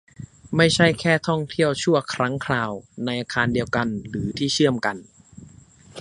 ไม่ใช่แค่ท่องเที่ยวชั่วครั้งคราว ในอาคารเดียวกันหรือที่เชื่อมกัน